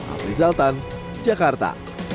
amri zaltan jakarta